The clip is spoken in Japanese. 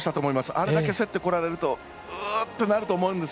あれだけ競ってこられるとうーっとなると思います。